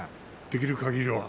できるかぎりは。